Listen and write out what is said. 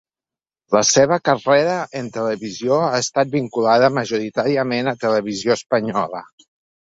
La seva carrera en televisió ha estat vinculada majoritàriament a Televisió Espanyola.